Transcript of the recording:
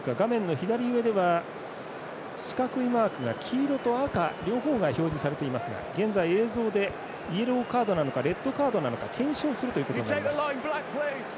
左上では四角いマークが黄色と赤、両方が表示されていますが現在、映像でイエローカードかレッドカードか検証するということになります。